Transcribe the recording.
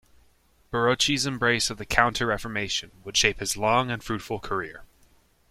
Barocci's embrace of the Counter Reformation would shape his long and fruitful career.